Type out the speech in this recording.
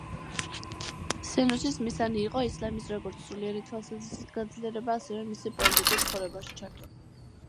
სენუსის მისანი იყო ისლამის როგორც სულიერი თვალსაზრისით გაძლიერება ასევე მისი პოლიტიკურ ცხოვრებაში ჩართვა.